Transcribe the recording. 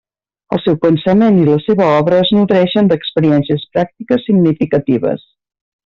El seu pensament i la seva obra es nodreixen d'experiències pràctiques significatives.